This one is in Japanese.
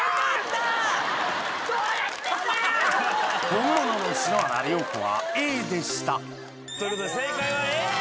本物の篠原涼子はＡでしたということで正解はＡ！